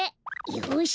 よし！